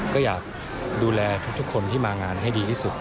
ก็อยากดูแลทุกคนที่มางานให้ดีที่สุด